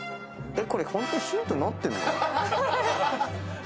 これホントにヒントになってるの？